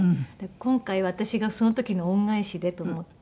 今回私がその時の恩返しでと思って。